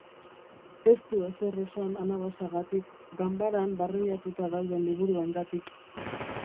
Ez du ezer esan anabasagatik, ganbaran barreiatuta dauden liburuengatik.